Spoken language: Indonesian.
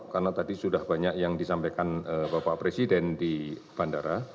karena tadi sudah banyak yang disampaikan bapak presiden di bandara